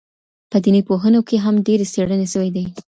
په دیني پوهنو کي هم ډېرې څېړني سوي دي.